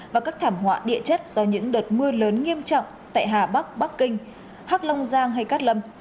và các thảm họa địa chất do những đợt mưa lớn nghiêm trọng tại hà bắc bắc kinh hắc long giang hay cát lâm